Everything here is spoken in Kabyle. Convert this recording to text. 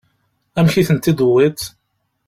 Amek i tent-id-tewwiḍ?